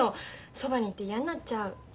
そばにいて嫌んなっちゃう。